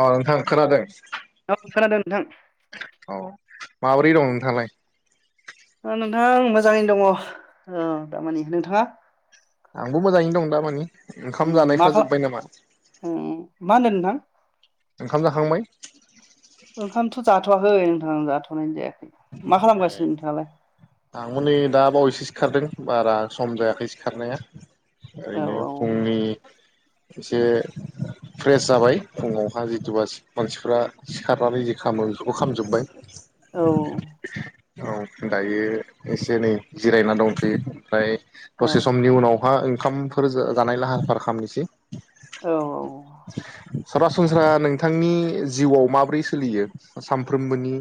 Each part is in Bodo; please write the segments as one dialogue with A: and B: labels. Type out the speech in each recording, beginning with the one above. A: औ नोंथां खोनादों
B: औ खोनादों नोंथां
A: औ माबोरै दं नोंथाङालाय?
B: अ नोंथां मोजाङैनो दङ ओ दामानि नोंथाङा?
A: आंबो मोजाङैनो दं दा मानि
B: उम मा खा उम मा होनदों नोंथां?
A: ओंखाम जाखांबाय
B: ओंखामथ' जाथ जाथ'वाखै नोंथां जाथनाय जाया
A: ए आंबो नै दा बावैसो सिखारदों। बारा सम जायाखै सिखारनाया
B: औ
A: ओरैनो फुंनि
B: औ
A: एसे फ्रेस जाबाय फुङावहा जिथुबा मानसिफ्रा सिखारनानै जि खामो बेफोरखौ खामजोबबाय।
B: औ
A: औ दायो एसे नै जिरायना दंथ'यो फ्राय दसे समनि
B: औ
A: उनावहा ओंखामफोर जानाय लाहार फाहार खालामनोसै
B: औ
A: सरासनस्रा नोंथांनि जिउआव माब्रै सोलियो सानफ्रोमबोनि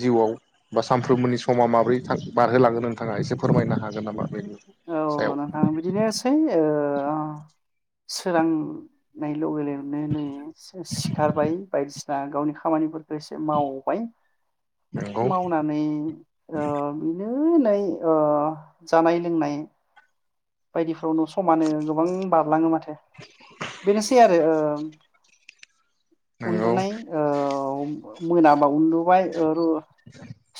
A: जिउआव? बा सानफ्रोमबोनि समा माबोरै थां बारहोलांगोन नोंथाङा एसे फोरमायनो हागोन नामा? बेनि
B: औ
A: सायाव
B: नोंथां बिदिनोसै ओ ओ अ सोरां नाय [unintelligible] नै सि-सिखारबाय बायदिसिना गावनि खामानिफोरखो एसे मावबाय
A: नंगौ
B: मावनानै ओ बिनो ओ नै ओ जानाय लोंनाय [inaudible] बायदि फ्रावनो समानो गोबां बारलाङो माथो बेनोसै आरो ओ
A: नंगौ
B: उन्दुनाय ओव मोनाबा उन्दुबाय ओरु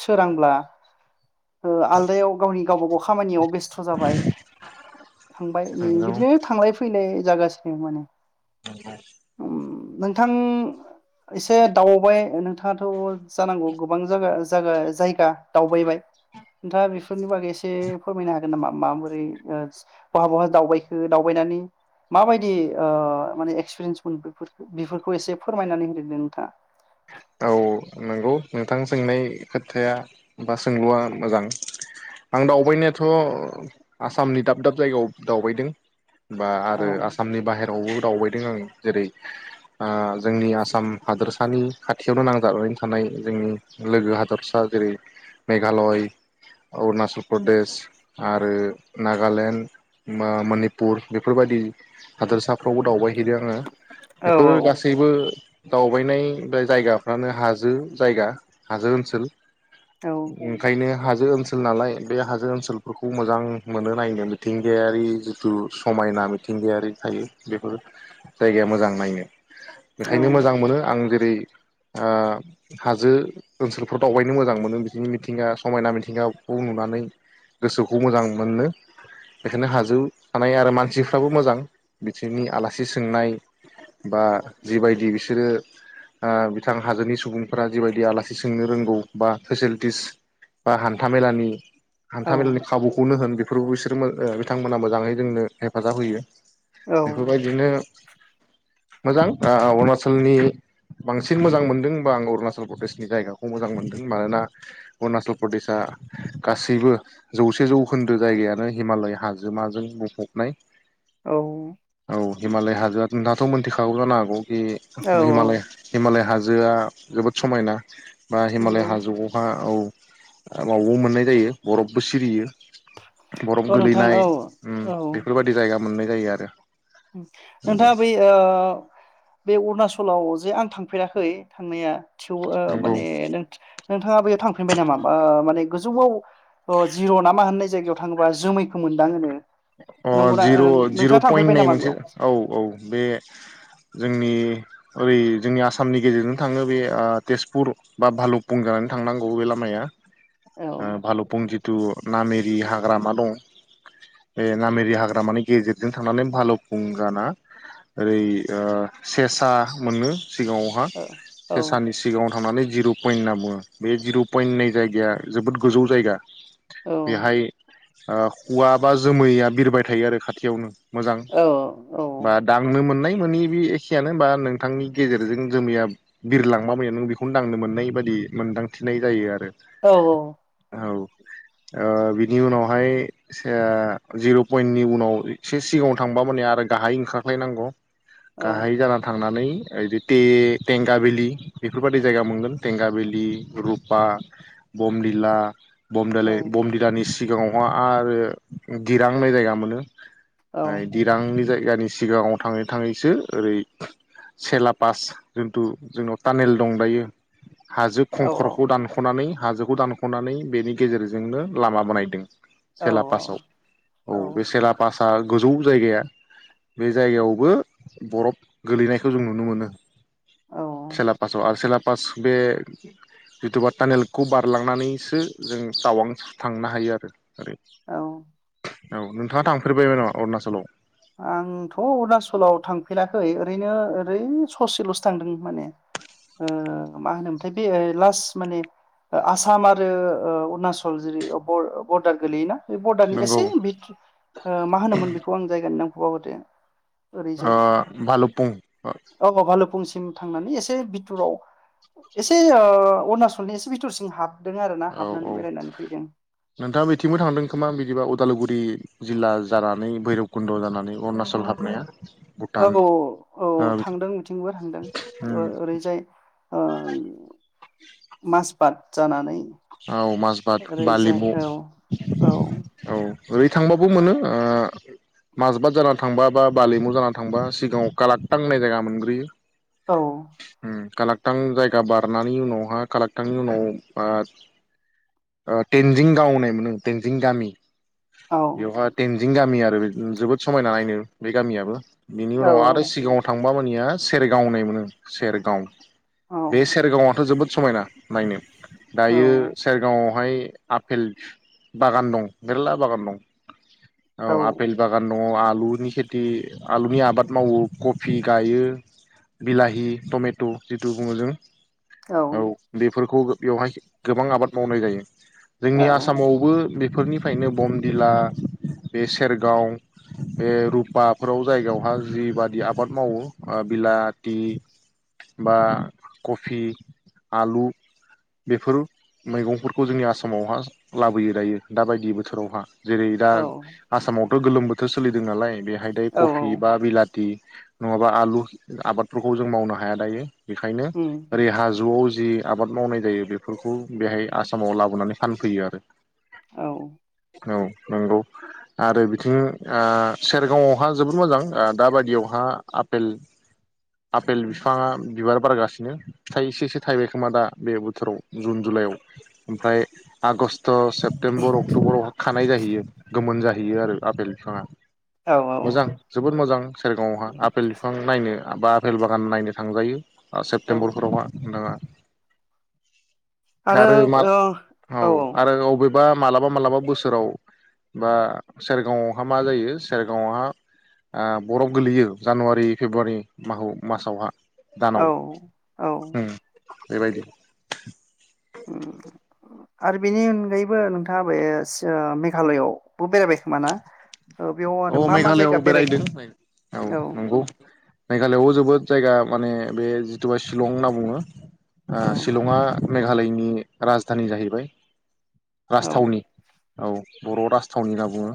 B: सोरांब्ला [inaudible] ओ आलदायाव गावनि गावबा गाव खामानियाव बेस्थ' जाबाय थांबाय नै
A: नंगौ
B: बिदिनो थांलाय फैलाय जागासिनो माने
A: नोंगौ
B: उम नोंथां इसे दावबाय ओ नों थाङाथ' जानांगौ गोबां जागाज जागा जायगा दावबायबाय नोंथाङा बेफोरनि बागै एसे फोरमायनो हागोन नामा माबोरै ओस बहा बहा दावबायखो दावबायनानै माबायदि ओ माने एक्सपिरिन्स मोन बिफोरखो बेफोरखो एसे फोरमायनानै होदो दे नोंथाङा।
A: औ नोंगौ नोंथां सोंनाय खोथाया बा सोंलुआ मोजां। आं दावबायनायाथ' आसामनि दाब दाब जायगायाव दावबायदों बा आरो
B: नोंथाङा
A: आसामनि बाहेरावबो दावबायदों आं जेरै आ जोंनि आसाम हादोरसानि खाथियावनो नांजाबनानै थानाय जोंनि लोगो हादरसा जेरै मेघालय अरुणाचल प्रदेश आरो नागालेण्ड मा मनिपुर बेफोरबायदि हादोरसाफ्रावबो दावबायहैदों आङो। बेफोर
B: औ
A: गासैबो दावबायनाय राय जायगाफ्रानो हाजो जायगा हाजो ओनसोल
B: औ
A: ओंखायनो हाजो ओनसोल नालाय बे हाजो ओनसोलफोरखौ मोजां मोनो नायनो मिथिंगायारि जिथु समायना मिथिंगायारि थायो बेफोर जायगाया मोजां नायनो
B: औ
A: बेखायनो मोजां मोनो आं जे बे ओ हाजो ओनसोलफ्राव दावबायनो मोजां मोनो बिदिनि मिथिंगा समायना मिथिंगाखौ नुनानै गोसोखौ मोजां मोनो बेखायनो हाजो थानाय आरो मानसिफ्राबो मोजां बिसिनि आलासि सोंनाय बा जिबायदि बिसोरो ओ बिथां हाजोनि सुबुंफोरा जिबायदि आलासि सोंनो रोंगौ बा फेसिलिटिस बा हान्थाामेलानि
B: औ
A: हान्था मेलानि खाबुखौनो होन बे [unintelligible] ओ बिथांमोनहा मोजाङै जोंनो हेफाजाब होयो बेफोर बादिनो मोजां ओ अरुणाचलनि बां बांसिन मोजां मोनदों होनबा आं अरुणाचल प्रदेशनि जायगाखौ मोजां मोनदों मानोना अरुणाचल प्रदेशआ गासैबो जौसे जौखोन्दो जायगायानो हिमालय हाजोमाजों बुंफबनाय।
B: औ
A: औ हिमालय हाजोआ नोंथाङाथ' मोनथिखागौ जानो हागौ
B: औ
A: बे
B: औ
A: हिमालया मालाय हाजोआ जोबोद समायना बा हिमालय
B: नंगौ
A: हाजोआवहा औ मावबो मोननाय जायो बरफबो सिरियो बरफ
B: औ नोंथां
A: गोलैनाय
B: औ
A: ओम
B: औ
A: बेफोरबायदि जायगा मोननाय जायो आरो
B: नोंथाङा बै ओ बे अरुनाचलाव जे आं थांफेराखै थांनाया थिउ ओ
A: नंगौ
B: माने नों-नोंथाङा बैयाव थांफिनबाय ओ नामा माने गोजौआव अ जिर' नामा होननाय जायगायाव थाङोबा जोमैखौ मोनदाङोनो
A: अ
B: नंगौना
A: जिर'
B: ओ
A: जिर'
B: नोंथाङा
A: पइन्ट
B: थांफेरबाय
A: बुंनाय
B: नामा
A: मोनसे
B: बेयाव
A: औ औ बे जोंनि ओरै जोंनि आसामनि गेजेरजों थाङो बे ओ तेजपुर बा भालुफुं जानानै थांनांगौ बे लामाया
B: औ
A: ओ भाल'फुंंजि जिथु नामेरि हाग्रामा दं बे नामेरि हाग्रामानि गेजेरजों थांनानै भालौ फुंगाना ओरै ओ सेसा मोनो सिगाङावहा
B: औ औ
A: सेसानि सिगाङाव थांनानै जिर' पइन्ट होनना बुङो बे जिर' पयन्ट होननाय जायगाया जोबोद गोजौ जायगा
B: औ
A: बेहाय आ खुवाबा जोमैया बिरबाय थायो आरो खाथियावनो मोजां
B: औ
A: बा दांनो मोननाय मोनि बे एखेयानो बा नोंथांनि गेजेरजों जोमैया बिरलांबा नों बेखौनो दांनो मोननाय बादि मोनदांथिनाय जायो आरो।
B: औ औ
A: औ ओ बिनि ओ उनावहाय सेया जिर' पइन्टनि उनाव एसे सिगाङाव थांबा माने आरो गाहायै ओंखारख्लाय नांगौ।
B: औ
A: गाहाय जाना था थांनानै ओेरैदि टे टेंगाबेलि बेफोरबायदि जायगा मोनगोन टेंगा भेलि रुपा बमदिला
B: औ
A: बमदोलै बमदिलानि सिगाङावहा आरो गिरां होननाय जायगा मोनो
B: औ
A: फाय दिरांनि जाय इरानि सिगाङाव थाङै थाङैसो ओरै सेला पास जिन्थु जोंनाव टानेल दं दायो। हाजो
B: औ
A: खंखरखौ दानख'नानै हाजोखौ दानख'नानै बेनि गेजेरजोंनो लामा बानायदों
B: औ
A: सोला पासाव औ बेसेला पा सा गोजौ जायगाया बे जायगायावबो बरफ गोलैनायखौ जों नुनो मोनो
B: औ
A: सेलापासाव आरो सेलापास बे जिथुबा टानेलखौ बारलांनानैसो जों टावां थांनो हायो आरो। ओरै।
B: औ
A: औ नोंथाङा थांफेरबायबो नामा अरुणाचलाव?
B: आंथ' अरुणचलाव थांफेराखै ओरैनो ओरै ससेल'सो थांदों माने ओ मा होनोमोनथाय बे ओ लास्ट माने आसाम आरो अरुणचल जेरै बर बरदार गोलैयोना बे बरडारनि
A: नंगौ
B: एसे बिद ओ मा होनोमोन बेखौ आं जायगानि नाम बावगारदो
A: ओ
B: ओरैजाय
A: भालुपुं आ
B: थिं थांनानै एसे बिथुराव एसे ओ अरुणचलनि एसे बिथुरसिं हाब
A: औ औ नोंथाङा बिथिंबो थांदों खोमा बिदिबा उदालगुरि जिल्ला जानानै भैरबकुन्द' जानानै अरुणाचल हाबनाया भुटान
B: ओग' औ
A: ओ
B: थांदों बिथिंबो थांदों
A: उम
B: ओरैजाय ओ मास बाद जानानै
A: औ माजबाद
B: ओरैजाय
A: बालिमु
B: औ औ
A: औ ओरै थांबाबो मोनो ओ माजबाद जाना थांबा बा बालिमु जाना थांबा सिगाङाव कालाक्टां होननाय जायगा मोनग्रोयो।
B: औ
A: कालाक्टां जायगा बारनायनै उनावहा कालाक्टांनि उनाव बा ओ टेनजिं गाव होननाय मोनो टेनजिं गामि
B: औ
A: इयावहा तेन बिं गामि आरो जोबोद समायना नायनो बे गामियाबो बिनि उनाव आरो
B: औ
A: सिगाङाव थां बामानिया सेरगाव होननाय मोनो सेरगाव बे सेरगावआथ' जोबोद समायना नायनो
B: औ
A: दायो।
B: औ
A: सिगाङावहाय आफेल बागान दं मेरला बागान दं औ आफेल बागान दङ आलुनि खेथि आलुनि आबाद मावो कफि गायो बिलाहि टमेट' जिथु बुङो जों औ बेफोरखौ बेवहाय गोबां आबाद मावनाय जायो।
B: औ
A: जोंनि आसामावबो बेफोरनि निफ्रायनो बमदिला बे सेरगाव बे रुपाफोराव जायगायावहा जिबादि आबाद मावो बिलाटि बा कफि आलु बेफोर मैगंफोरखौ जोंनि आसामावहा लाबोयो दायो दाबायदि बोथोरावहा जेरै दा
B: औ
A: आसामाव बो गोलोम बोथोर सोलिदों नालाय बेहाय दायो
B: औ
A: कफि बा बिलाथि नङाबा आलु आबादफोरखौ जों मावनो हाया दायो। बेखायनो
B: उम
A: ओरै हाजोआव जि आबाद मावनाय जायो बेफोरखौ बेहाय आसामाव लाबोनानै फानफैयो आरो
B: औ
A: औ नों आरो बिथिं ओ सेरगाव आवहा जोबोद मोजां दाबायदियावहा आफेल बिफाङा बिबार बारगासिनो थाइसेसो थाइबाय खोमा दा बे बोथोराव जुन जुलाइआव ओमफ्राय आगष्ट थ' सेप्तेमबर अक्ट'बर खानाय जाहैयो गोमोन जाहैयो आरो आफपेल बिफाङा
B: औ औ
A: मोजां जोबोद मोजां सेरगाव आवहा
B: उम
A: आफपेल बिफां नायनो बा रेल बागान नायनो थांजायो। ओ
B: औ
A: सेप्तेम्बर हरावहा नोंथाङा आरो मा औ आरो अबे बा मालाबा मालाबा बोसोराव बा सेरगावआवहा मा जायो सेरगावआवहा बरफ गोल्लैयो जानुवारि फेब्रुवारि मासावहा दानाव
B: औ
A: उम बेबायदि
B: उम आरो बेनि अनगायैबो नोंथाङा बे मेघालयआवबो बेरायबाय खोमा ना? औ बेयाव आरो
A: औ
B: मा मा
A: मेघालयआव
B: जायगा
A: बेरायदों
B: बेरायखो
A: औ नोंगौ मेघालआवबो जोबोद जायगा माने बे जिथुबा शिलं होनना बुङो आ
B: औ
A: शिलंआ मेघालयनि राजधानि जाहैबाय
B: औ
A: राजथावनि औ बर' राजथावनि होनना बुङो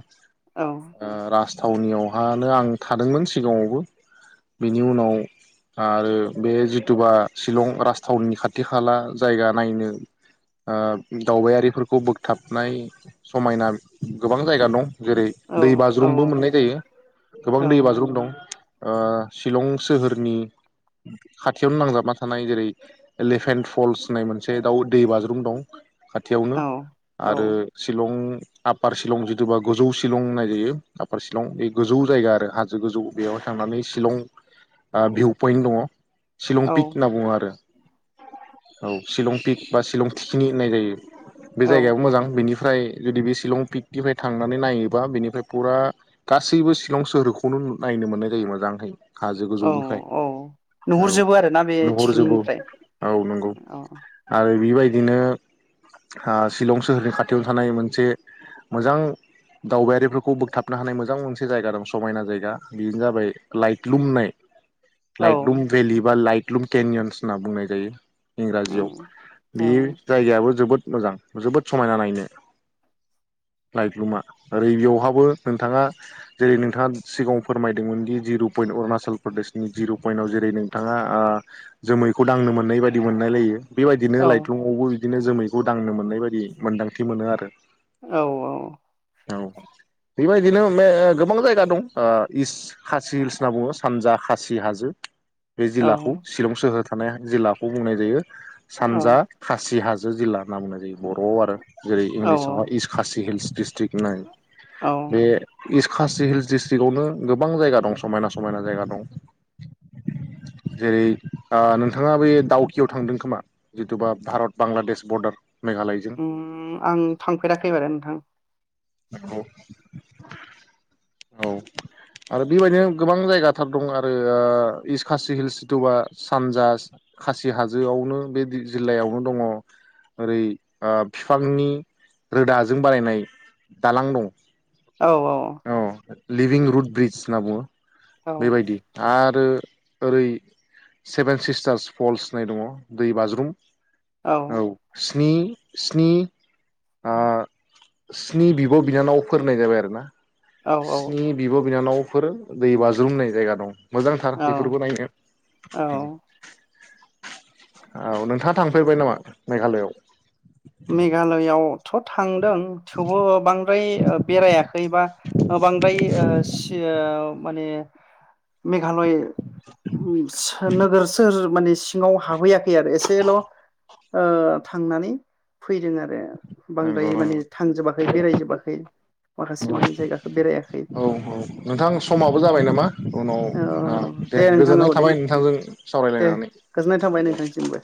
B: औ
A: ओ राज राजथावनियावहानो आं थादोंमोन सिगाङावबो बेनि उनाव ओ आरो बे जिथुबा शिलं राजथावनि खाथि खाला जायगा नायनो ओ दावबायारिफोरखौ बोगथाबनाय समायना गोबां जायगा दं जेरै
B: औ
A: दै
B: औ
A: बाज्रुमबो मोननाय जायो गोबां
B: औ
A: दै बाज्रुम दं ओ शिलं सोहोरनि खाथियावनो नांजाबना थानाय जेरै एलेफेन फल्स होननाय मोनसे दाउ दै बाज्रुम दं खाथियावनो
B: औ औ
A: आरो शिलं आपार शिलं जिथुबा गोजौ शिलंनाय बेयो आफपार शिलं बे गोजौ जायगा आरो हाजो गोजौ बेयावहाय थांनानै शिलं ओ भिउ पइन्ट दङ शिलं पिक होनना बुङो आरो औ शिलं पिक बा शिलं थिखिनि होननाय जायो बे
B: औ
A: जायगायाबो मोजां बेनि ओमफ्राय जुदि बे शिलं पिकनिफ्राय थांनानै नायोबा बेनिफ्राय फुरा गासैबो शिलं सोहोरखौनो नायनो मोननाय जायो मोजांहाय हाजो
B: औ
A: गोजौनिफ्राय
B: औ
A: औ
B: नुहुरजोबो आरोना बे
A: नुहरजोबो
B: थिखिनिनिफ्राय
A: औ नंगौ
B: औ
A: आरो बेबायदिनो ओ शिलं सोहोरनि खाथियावनो थानाय मोनसे मोजां दावबायारिफोरखौ खौ बोगथाबनो हानाय मोजां मोनसे जायगा दं समायना जायगा बेनो जाबाय लाइट लुम होननाय लाइट
B: औ
A: लुम भेलि बा लाइट लुम केनियन्स होनना बुंनाय जायो
B: औ
A: इंराजियाव
B: औ
A: बे जायगायाबो जोबोद मोजां जोबोद समायना नायनो लाइथलुमा ओरै बेयावहा बो नोंथाङा जेरै नोंथाङा सिगाङाव फोरमायदोंमोनदि जिर' पइन्ट अरुणाचल प्रदेशनि जिर' पइन्टाव जेरै नोंथाङा ओ जोमैखौ दांनो मोननाय बायदि मोनलायलायो
B: औ
A: बेबायदिनो लाइथुमआवबो बिदिनो जोमैखौ दांनो मोननाय बायदि मोन्दांथि मोनो आरो
B: औ औ
A: औ बेबायदिनो गोबां जायगा ओ दं इस्ट खासि हिल्स होनना बुङो सानजा खासि हाजो बे
B: औ
A: जिल्लाखौ शिलं सोहोर [unintelligible] जिल्लाबो बुंनाय जायो सानजा खासि हाजो जिल्ला होनना बुंनाय जायो बर'आव आरो जेरै इंलिसावहाय
B: औ
A: इस्स खासि हिल्स दिस्ट्रिक नाय बे खासि हिल्स डिस्ट्रिक्आवनो गोबां जायगा दं समायना समायना जायगा दं जेरै नोंथाङा बे दावकियाव थांदों खोमा जिथुबा भारत बांलादेश बरदार
B: उम आं थांफेराखै मार नोंथां
A: औ औ आरो बेबायदिनो गोबां जायगाथार दं आरो इस खासि हिल्स सिथबा सानजा खासि हाजोआवनो बे जिल्लायावनो दङ ओरै बिफांनि रोदाजों बारायनाय दालां दं।
B: औ औ
A: औ लिभिं रुड ब्रिज होनना बुङो। बेबायदि आरो आरो ओरै सेभेन सिस्टार्स फल्स होननाय दङ दै बाज्रुम। औ स्नि स्नि स्नि बिब' बिनानाव फोरनाय जाबाय आरो ना? स्नि बिब' बिनानाव बेफोर दै बाज्रुमनाय जायगा दं मोजांथार
B: औ
A: बेफोरबो नायनो। आ खोथा थांफैेरबाय नामा? मेघालयआव
B: मेघालयआव थ' थां थेवबो बांद्राय बेरायाखै बा बांद्राय ओ माने मेघालय नोगोर सोहो माने सिङाव हाबहैयाखै आरो एसेल ओ' थांनानै फैदों आरो
A: नंगौ
B: बांद्राय माने
A: नंगौ
B: थांजोबाखै बेरायजोबाखै माखासे माने जायगाखौ बेरायाखै
A: औ औ नोंथां समाबो जाबाय नामा उनाव ओ
B: दे नोंथां
A: गोजोननाय
B: औ दे
A: थाबाय नोंथांजों
B: दे
A: सावरायलायनानै
B: गोजोननाय थांबाय
A: दे
B: नोंथांसिमबो।